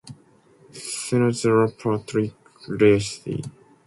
Senator Patrick Leahy.